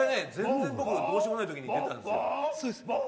全然、僕どうしようもない時に出たんです。